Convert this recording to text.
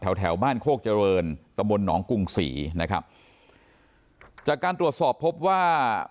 แถวแถวบ้านโคกเจริญตะบนหนองกรุงศรีนะครับจากการตรวจสอบพบว่า